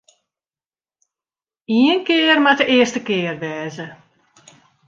Ien kear moat de earste kear wêze.